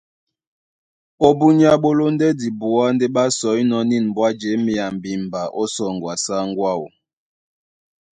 Ó búnyá ɓó lóndɛ́ dibuá ndé ɓá sɔínɔ̄ nîn mbɔ́ á jěmea mbimba ó sɔŋgɔ a sáŋgó áō.